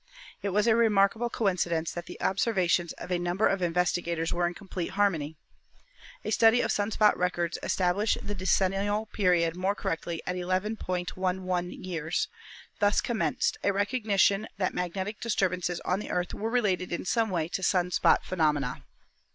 It was a remarkable coincidence that the observations of a number of investigators were in complete harmony. A study of sun spot records estab lished the decennial period more correctly at 11. 11 years. Thus commenced a recognition that magnetic disturbances on the Earth were related in some way to sun spot phe nomena.